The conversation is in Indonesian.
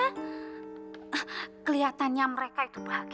ehm kelihatannya mereka itu berdua itu berdua ya